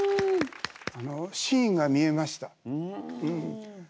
シーンが見えましたうん。